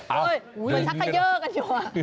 เอ้ยดึงกันมามันชักขยือกันอยู่